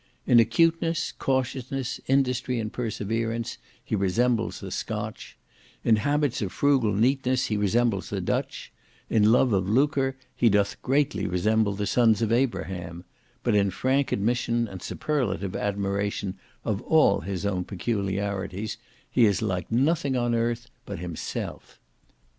In acuteness, cautiousness, industry, and perseverance, he resembles the Scotch; in habits of frugal neatness, he resembles the Dutch; in love of lucre he doth greatly resemble the sons of Abraham; but in frank admission, and superlative admiration of all his own peculiarities, he is like nothing on earth but himself.